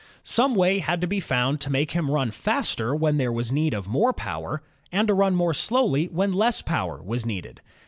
Some way had to be found to make him run faster when there was need of more power, and to run more slowly when less power was needed.